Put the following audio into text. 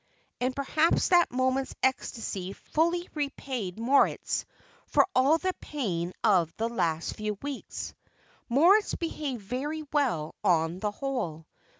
And perhaps that moment's ecstasy fully repaid Moritz for all the pain of the last few weeks. Moritz behaved very well on the whole.